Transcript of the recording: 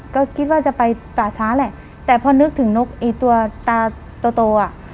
ก็คิดว่าจะไปป่าช้าแหละแต่พอนึกถึงนกไอ้ตัวตาโตโตอ่ะ